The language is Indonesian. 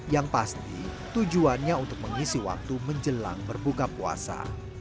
yang pasti tujuannya untuk mengisi waktu menjelang berbuka puasa